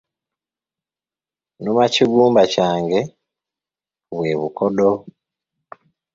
Nnuma kigumba, kyange bwe bukodo.